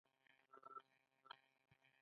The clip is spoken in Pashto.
انګلیسانو خپل حکومت نور هم کلک کړ.